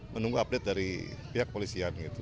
menunggu update dari pihak kepolisian gitu